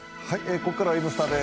ここからは「Ｎスタ」です。